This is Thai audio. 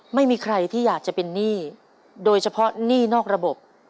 ไม่มีใครที่อยากจะเป็นหนี้โดยเฉพาะหนี้นอกระบบ